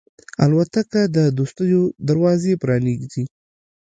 الوتکه د دوستیو دروازې پرانیزي.